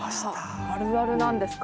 あらあるあるなんですか？